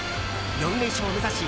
４連勝を目指し